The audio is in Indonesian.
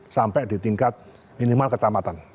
sampai di tingkat minimal kecamatan